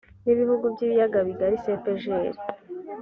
n ibihugu by ibiyaga bigari cepgl